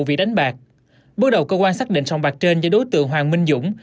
vị đánh bạc bước đầu cơ quan xác định sòng bạc trên do đối tượng hoàng minh dũng